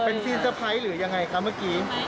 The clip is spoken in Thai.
เป็นซีนเตอร์ไพรส์หรือยังไงคะเมื่อกี้